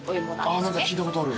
何か聞いたことある。